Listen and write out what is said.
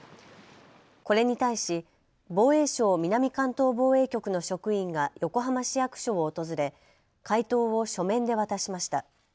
これに対し防衛省南関東防衛局の職員が横浜市役所を訪れ回答を書面で渡しました。